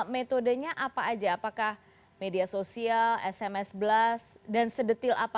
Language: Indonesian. metodenya apa aja apakah media sosial sms blast dan sedetil apa